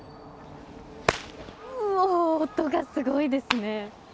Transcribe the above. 音がすごいですね。